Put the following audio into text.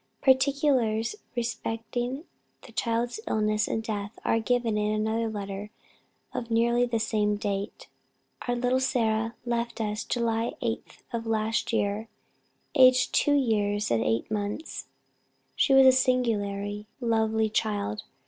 '" Particulars respecting the child's illness and death are given in another letter of nearly the same date. "Our little Sarah left us July 8th of last year aged 2 years and 8 months.... She was a singularly lovely child.